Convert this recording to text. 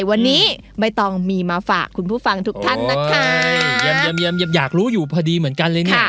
วันนี้ใบตองมีมาฝากคุณผู้ฟังทุกท่านนะคะยังอยากรู้อยู่พอดีเหมือนกันเลยเนี่ย